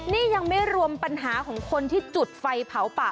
นี่ยังไม่รวมปัญหาของคนที่จุดไฟเผาป่า